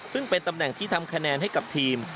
ซึ่งเป็นตำแหน่งที่ทำคะแนนให้กับทีม